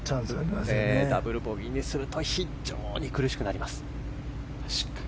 ダブルボギーにすると非常に苦しくなります。